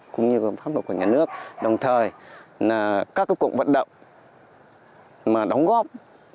cũng như pháp luật của nhà nước đồng thời các cuộc vận động đóng góp